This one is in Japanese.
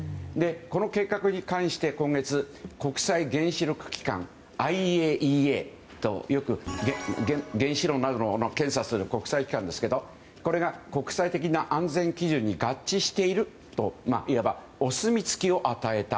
この計画に関して今月国際原子力機関・ＩＡＥＡというよく原子炉などの検査をする国際機関ですけどもこれが国際的な安全基準に合致しているといわば、お墨付きを与えた。